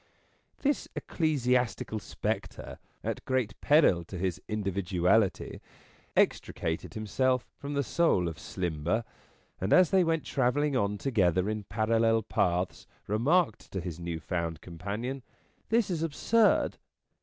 This ecclesiastical spectre, at great peril to his indi 36 N 1 JAWK viduality, extricated himself from the soul of Slimber,. and as they went travelling on together in parallel paths remarked to his new found companion :" This is absurd."